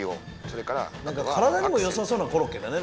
何か体にもよさそうなコロッケだね